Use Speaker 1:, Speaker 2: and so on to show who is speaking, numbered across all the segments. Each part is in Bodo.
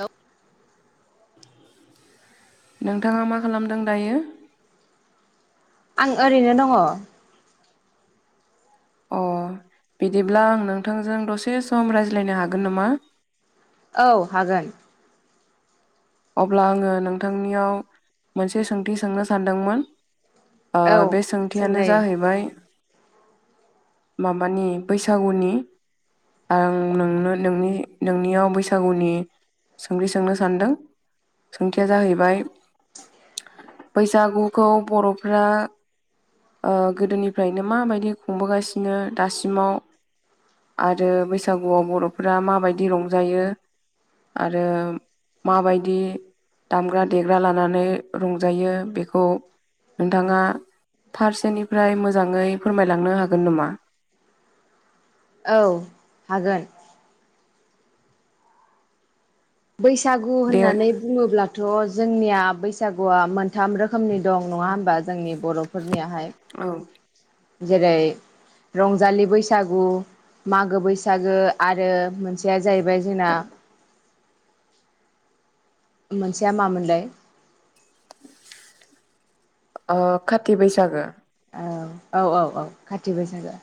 Speaker 1: हेलौ
Speaker 2: नोंथाङा मा खालामदों दायो?
Speaker 1: आं ओरैनो दङ।
Speaker 2: अ बिदिब्ला आं नोंथांजों दसे सम रायज्लायनो हागोन नामा?
Speaker 1: औ हागोन।
Speaker 2: अब्ला आङो नोंथांनियाव मोनसे सोंथि सोंनो सानदोंमोन।
Speaker 1: औ
Speaker 2: बे सोंथियानो
Speaker 1: सोंजायो
Speaker 2: जाहैबाय माबानि बैसागुनि आं नोंनो नोंनि नोंनियाव बैसागुनि सोंथि सोंनो सानदों। सोंखिया जाहैबाय बैसागुखौ बर'फ्रा गोदोनिफ्रायनो माबायदि खुंबोगासिनो दासिमाव आरो बैसागुआव बर'फोरा माबायदि रंजायो आरो माबायदि बिदि दामग्रा देग्रा लानानै रंजायो बेखौ नोंथाङा फारसेनिफ्राय मोजाङै फोरमायलांनो हागोन नामा?
Speaker 1: औ हागोन। बैसागु
Speaker 2: दे
Speaker 1: होननानै बुङोब्लाथ' जोंनिया बैसागुआ मोनथाम रोखोमनि दं नङा होमबा? जोंनि बर'फोरनियाहाय
Speaker 2: औ
Speaker 1: जेरै रंजालि बैसागु मागो बैसागो आरो मोनसेया जाहैबाय जोंना मोनसेया मामोनलाय
Speaker 2: ओ खाति बैसागो
Speaker 1: औ औ औ औ खाति बैसागो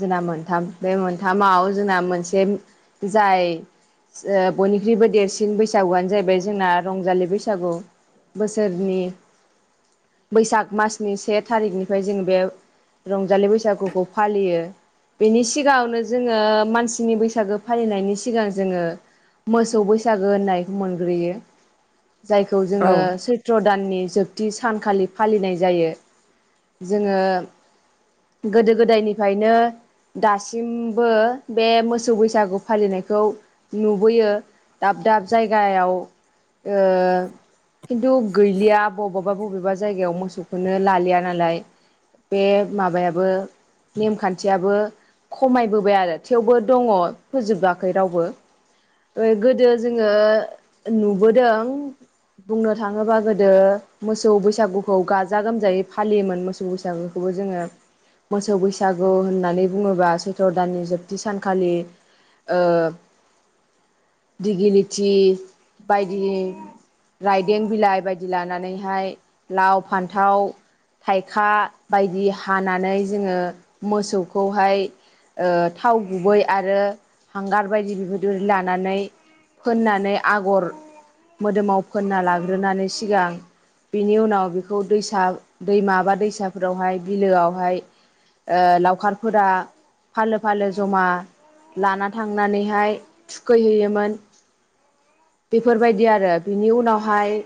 Speaker 1: जोंना मोनथाम बे मोनथामाव जोंना मोनसे जाय ओ बयनिख्रुइबो देरसिन बैसागुआनो जायैबाय जोंना रंजालि बैसागु बोसोरनि बैसाग मासनि से थारिखनिफ्राय जोङो बे रंजालि बैसागुखौ फालियो बेनि सिगाङावनो जोङो मानसिनि बैसागो फालिनायनि सिगां जोङो मोसौ बैसागो होननायखौ मोनग्रोयो जायखौ
Speaker 2: औ
Speaker 1: जोङो सैत्र दाननि जोबथि सानखालि फालिनाय जायो जोङो गोदो गोदायनिफायनो दासिमबो बे मोसौ बैसागु फालिनायखौ नुबोयो दाब दाब जायगायाव ओ खिन्थु गैलिया बबेबा बबेबा जायगायाव मोसौखौनो लालिया नालाय बे माबायाबो नेमखान्थियाबो खमायबोबाय आरो थेवबो दङ फोजोबाखै रावबो ओ गोदो जोङो नुबोदों बुंनो थाङोबा गोदो मोसौ बैसागुखौ गाजा गोमजायै फालियोमोन मोसौ मोसौ बैसागुखौबो जोङो मोसौ बैसागु होननानै बुङोबा सैत्र दाननि जोबथि सानखालि ओ दिगिलिथि बायदि रायदें बिलाइ बायदि लानानैहाय लाव फान्थाव खा बायदि हानानै जोङो मोसौखौहाय ओ‌ थाव गुबै आरो हांगार बायदि [unintelligible] लानानै फोननानै आगर मोदोमाव फोनना लाग्रोनानै सिगां बेनि उनाव बेखौ दैसा दैमा बा दैसाफोरावहाय बिलोआवहाय ओ लावखारफोरा फालो फालो जमा लाना थांनानैहाय थुखैहैयोमोन बेफोरबायदि आरो बिनि उनावहाय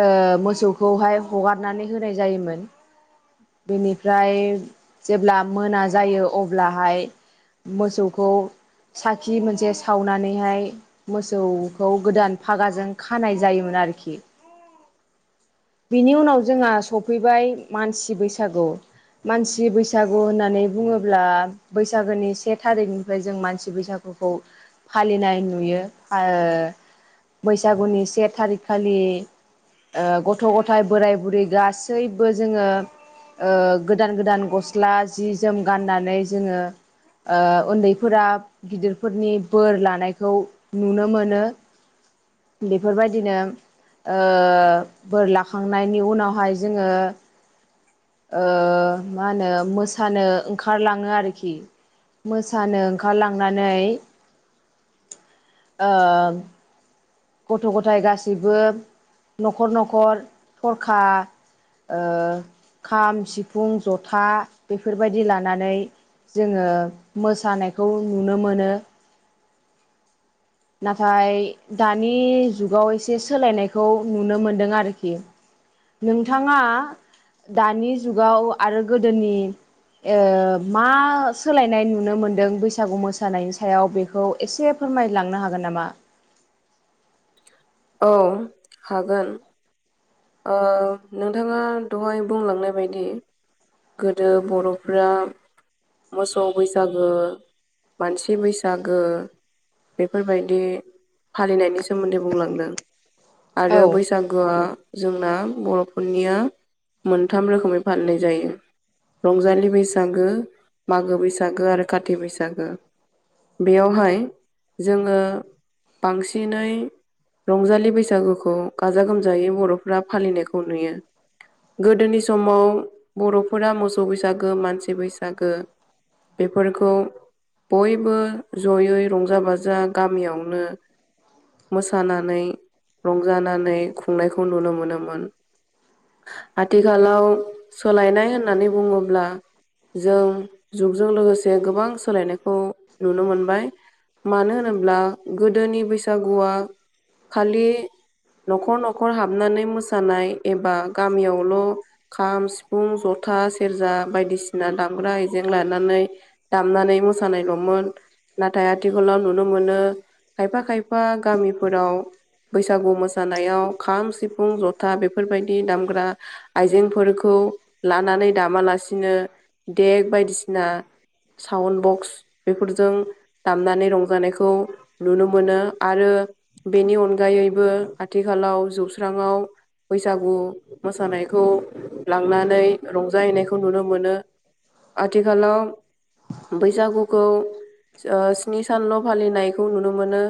Speaker 1: ओ मोसौखौहाय हगारनानै होनाय जायोमोन बेनिफ्राय जेब्ला मोना जायो अब्लाहाय मोसौखौ साखि मोनसे सावनानैहाय मोसौखौ गोदान फागाजों खानाय जायोमोन आरोखि बिनि उनाव जोंहा सफैबाय मानसि बैसागु मानसि बैसागु होननानै बुङोब्ला बैसागोनि से थारिखनिफ्राय जों मानसि बैसागुखौ फालिनाय नुयो ओ बैसागुनि से थारिगखालि ओ गथ' गथाय बोराइ बुरै गासैबो जोङो ओ गोदान गोदान गस्ला जि जोम गाननानै जोङो ओ ओन्दैफोरा गिदिरफोरनि बोर लानायखौ नुनो मोनो बेफोरबायदिनो ओ बोर लाखांनायनि उनावहाय जोङो ओ मा होनो मोसानो ओंखारलाङो आरोखि मोसानो ओंखारलांनानै ओ गथ' गथाय गासैबो नखर नखर थरखा ओ खाम सिफुं जथा बेफोरबायदि लानानै जोङो मोसानायखौ नुनो मोनो नाथाय दानि जुगाव एसे सोलायनायखौ नुनो मोनदों आरोखि नोंथाङा दानि जुगाव आरो गोदोनि ओ मा सोलायनाय नुनो मोनदों बैसागु मोसानायनि सायाव बेखौ एसे फोरमायलांनो हागोन नामा
Speaker 2: औ हागोन ओ नोंथाङा दहाय बुंलांनाय बायदि गोदो बर'फ्रा मोसौ बैसागो मानसि बैसागो बेफोरबायदि फालिनायनि सोमोन्दै बुंलांदों
Speaker 1: औ
Speaker 2: आरो बैसागोआ जोंना बर'फोरनिया मोनथाम रोखोमै फालिनाय जायो रंजालि बैसागो मागो बैसागो आरो खाथि बैसागो बेयावहाय जोङो बांसिनै रंजालि बैसागोखौ गाजा गोमजायै बर' फ्रा फालिनायखौ नुयो गोदोनि समाव बर'फोरा मोसौ बैसागो मानसि बैसागो बेफोरखौ बयबो जयै रंजा बाजा गामियावनो मोसानानै रंजानानै खुंनायखौ नुनो मोनोमोन आथिखालाव सोलायनाय होननानै बुङोब्ला जों जुगजों लोगोसे गोबां सोलायनायखौ नुनो मोनबाय मानो होनोब्ला गोदोनि बैसागुआ खालि न'खर न'खर हाबनानै मोसानाय एबा गामियावल' खाम सिफुं जथा सेरजा बायदिसिना दामग्रा आइजें लानानै दामनानै मोसानायल'मोन नाथाय आथिखालाव नुनो मोनो खायफा खायफा गामिफोराव बैसागु मोसानायाव खाम सिफुं जथा बेफोरबायदि दामग्रा आइजेंफोरखौ लानानै दामालासिनो देक बायदिसिना साउन बक्स बेफोरजों दामनानै रंजानायखौ नुनो मोनो आरो बेनि अनगायैबो आथिखालाव जौस्राङाव बैसागु मोसानायखौ लांनानै रंजाहैनायखौ नुनो मोनो आथिखालाव बैसागुखौ ओ स्नि सानल' फालिनायखौ नुनो मोनो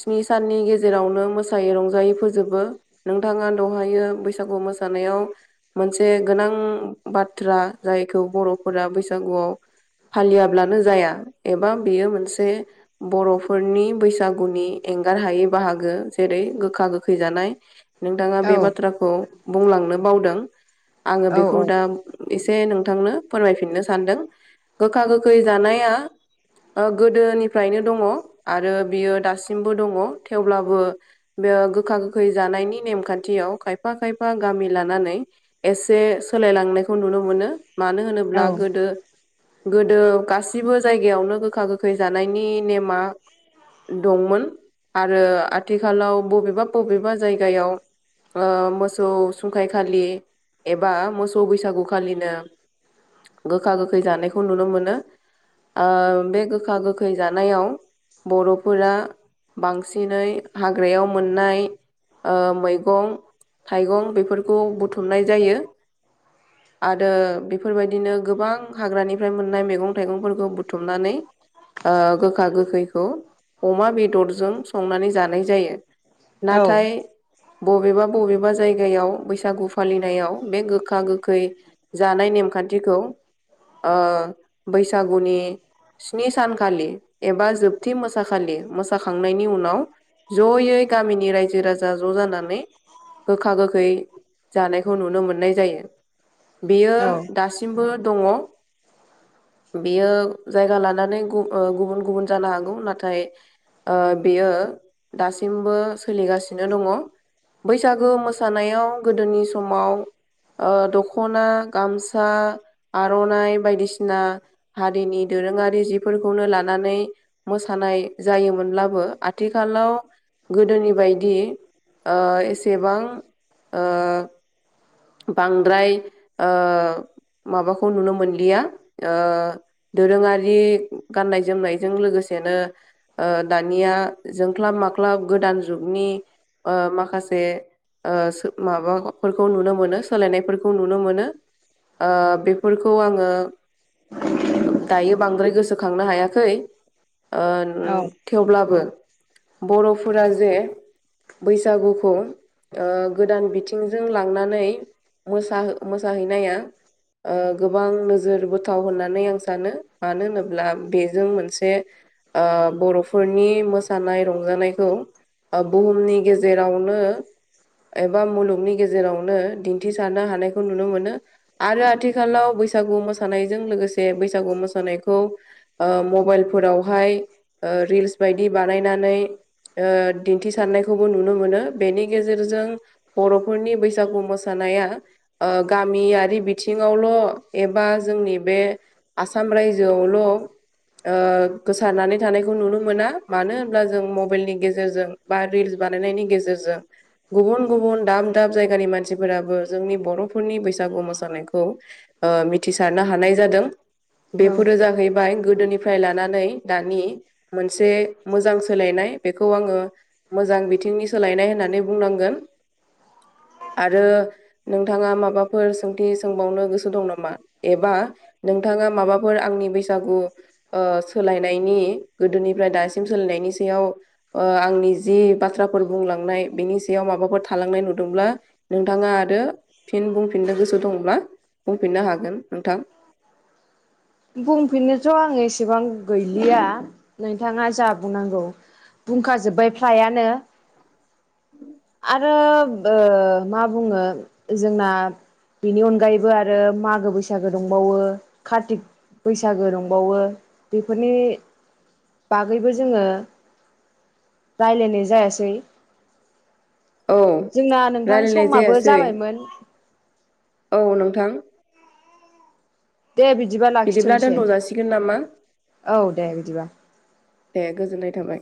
Speaker 2: स्नि साननि गेजेरावनो मोसायै रंजायै फोजोबो नोंथाङा दहायो बैसागु मोसानायाव मोनसे गोनां बाथ्रा जायखौ बर'फोरा बैसागुआव फालियाब्लानो जाया एबा बियो मोनसे बर'फोरनि बैसागुनि एंगार हायै बाहागो जेरै गोखा गोखै जानाय नोंथाङा
Speaker 1: औ
Speaker 2: बे बाथ्राखौ बुंलांनो बावदों आङो
Speaker 1: औ
Speaker 2: बेखौ दा
Speaker 1: औ
Speaker 2: एसे नोंथांनो फोरमायफिननो सानदों गोखा गोखै जानाया ओ गोदोनिफ्रायनो दङ आरो बियो दासिमबो दङ थेवब्लाबो बेयो गोखा गोखै जानायनि नेमखान्थियाव खायफा खायफा गामि लानानै एसे सोलायलांनायखौ नुनो मोनो मानो होनोब्ला
Speaker 1: औ
Speaker 2: गोदो गोदो गासिबो जायगायावनो गोखा गोखै जानायनि नेमा दंमोन आरो आथिखालाव बबेबा बबेबा जायगायाव ओ मोसौ सुंखायखालि एबा मोसौ बैसागुखालिनो गोखा गोखै जानायखौ नुनो मोनो आ बे गोखा गोखै जानायाव बर'फोरा बांसिनै हाग्रायाव मोननाय ओ मै गं थाइगं बेफोरखौ बुथुमनाय जायो आरो बेफोरबायदिनो गोबां हाग्रानिफ्राय मोननाय मेगं थाइगंफोरखौ बुथुमनानै ओ गोखा गोखैखौ अमा बेदरजों संनानै जानाय जायो
Speaker 1: औ
Speaker 2: नाथाय बबेबा बबेबा जायगायाव बैसागु फालिनायाव बे गोखा गोखै जानाय नेमखान्थिखौ ओ बैसागुनि स्नि सानखालि एबा जोबथि मोसाखालि मोसाखांनायनि उनाव ज'यै गामिनि रायजो राजा ज' जाना नै गोखा गोखै जानायखौ नुनो मोननाय जायो बेयो
Speaker 1: औ
Speaker 2: दासिमबो दङ बेयो जायगा लानानै गु ओ बुन गुबुन जानो हागौ नाथाय ओ बेयो दासिमबो सोलिगासिनो दङ बैसागो मोसानायाव गोदोनि समाव दख'ना गामसा आर'नाइ बायदिसिना हारिनि दोरोङारि जिफोरखौनो लानानै मोसानाय जायोमोनब्लाबो आथिखालाव गोदोनि बायदि ओ एसेबां ओ बांद्राय ओ माबाखौ नुनो मोनलिया ओ दोरोङारि गाननाय जोमनायजों लोगोसेनो ओ दानिया जोंख्लाब माख्लाब गोदान जुगनि ओ माखासे ओ सो माबाफोरखौ नुनो मोनो सोलायनायफोरखौ नुनो मोनो ओ बेफोरखौ आङो दायो बांद्राय गोसोखांनो हायाखै ओ
Speaker 1: औ
Speaker 2: थेवब्लाबो बर'फोरा जे बैसागुखौ ओ गोदान बिथिंजों लांनानै मोसाहो मोसाहैनाया ओ गोबां नोजोर बोथाव होननानै आं सानो मानो होनोब्ला बेजों मोनसे ओ बर'फोरनि मोसानाय रंजानायखौ बुहुमनि गेजेरावनो एबा मुलुगनि गेजेरावनो दिन्थिसारनो हानायखौ नुनो मोनो आरो आथिखालाव बैसागु मोसानायजों लोगोसे बैसागु मोसानायखौ ओ मबाइलफोरावहाय ओ रिल्स बायदि बानायनानै ओ दिन्थिसारनायखौबो नुनो मोनो बेनि गेजेरजों बर'फोरनि बैसागु मोसा नाया ओ गामियारि बिथिङावल' एबा जोंनि बे आसाम रायजोआवल' ओ गोसारनानै थानायखौ नुनो मोना मानो होनब्ला जों मबाइलनि गेजेरजों बा रिल्स बानायनायनि गेजेरजों गुबुन गुबुन दाम दाब जायगानि मानसि फोराबो जोंनि बर'फोरनि बैसागु मोसानायखौ ओ मिथिसारनो हानाय जादों
Speaker 1: औ
Speaker 2: बेफोरो जाहै फ्राय गोदोनिफ्राय लानानै दानि मोनसे मोजां सोलायनाय बेखौ आङो मोजां बिथिंनि सोलायनाय होननानै बुंनांगोन आरो नोंथाङा माबाफोर सोंथि सोंबावनो गोसो दं नामा एबा नोंथाङा माबाफोर आंनि बैसागु ओ सोलायनायनि गोदोनिफ्राय दासिम सोलायनायनि सायाव ओ आंनि जि बाथ्राफोर बुंलांनाय बिनि सायाव माबाफोर थालांनाय नुदोंब्ला नोंथाङा आरो फिन बुंफिननो गोसो दंब्ला बुंफिननो हागोन नोंथां
Speaker 1: बुंफिननोथ' आं एसेबां गैलिया नोंथाङा जा बुंनांगौ बुंखाजोबबाय फ्लायानो आरो ओ मा बुङो जोंना बेनि अनगायैबो आरो मागो बैसागो दंबावो कारतिक बैसागो दंबावो बेफोरनि बागैबो जोङो रालायनाय जायासै
Speaker 2: औ
Speaker 1: जोंना नोंथां
Speaker 2: रायलायनाय
Speaker 1: समाबो
Speaker 2: जायासै
Speaker 1: जाबायमोन
Speaker 2: औ नोंथां।
Speaker 1: दे बिदिबा
Speaker 2: बिदिब्ला
Speaker 1: लाखिथ'सै
Speaker 2: दोनथ' जासिगोन नामा
Speaker 1: औ दे बिदिबा।
Speaker 2: दे गोजोननाय थाबाय।